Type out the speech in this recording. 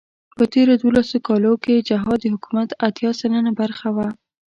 په تېرو دولسو کالو کې جهاد د حکومت اتيا سلنه برخه وه.